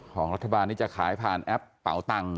ของรัฐบาลนี้จะขายผ่านแอปเป๋าตังค์